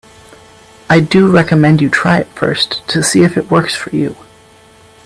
I do recommend you try it first to see if it works for you.